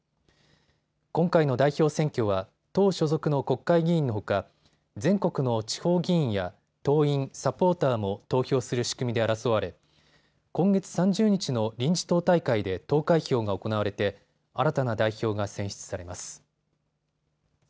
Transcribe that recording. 今回の代表選挙は党所属の国会議員のほか全国の地方議員や党員・サポーターも投票する仕組みで争われ今月３０日の臨時党大会で投開票が行われて新たな代表が選出されます。